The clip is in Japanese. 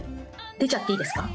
出ちゃっていいですか？